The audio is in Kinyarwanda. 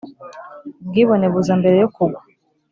ubwibone buza mbere yo kugwa